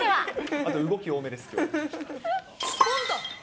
あと、動き多めですけど。